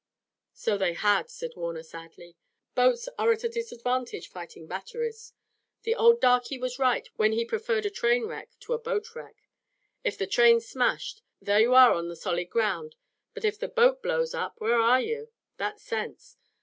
"So they had," said Warner sadly. "Boats are at a disadvantage fighting batteries. The old darky was right when he preferred a train wreck to a boat wreck, 'ef the train's smashed, thar you are on the solid ground, but ef the boat blows up, whar is you?' That's sense.